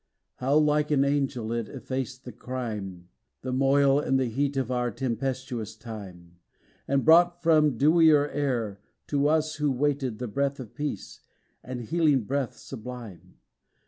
How, like an angel, it effaced the crime, The moil and heat of our tempestuous time, And brought from dewier air, to us who waited, The breath of peace, the healing breath sublime!